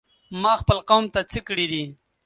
ما خپل قوم ته څه کړي دي؟!